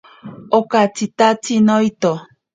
Okatyitatsi noito.